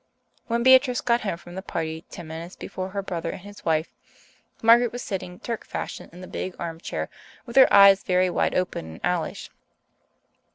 When Beatrice got home from the party ten minutes before her brother and his wife, Margaret was sitting Turk fashion in the big armchair, with her eyes very wide open and owlish.